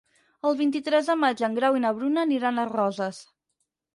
El vint-i-tres de maig en Grau i na Bruna aniran a Roses.